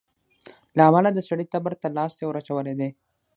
له امله د سړي تبر ته لاستى وراچولى دى.